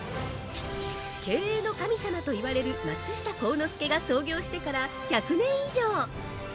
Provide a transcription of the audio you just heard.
経営の神様と言われる松下幸之助が創業してから１００年以上。